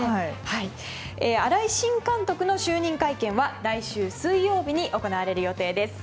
新井新監督の就任会見は来週水曜日に行われる予定です。